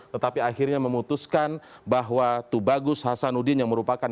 tetapi akhirnya memutuskan bahwa tubagus hasanuddin yang merupakan